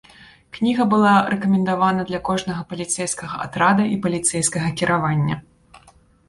Кніга была рэкамендавана для кожнага паліцэйскага атрада і паліцэйскага кіравання.